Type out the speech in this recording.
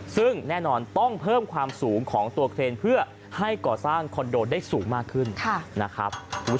ซึ่งแน่นอนต้องเพิ่มความสูงของตัวเครนเพื่อให้ก่อสร้างคอนโดได้สูงมากขึ้นนะครับ